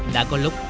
đã có lúc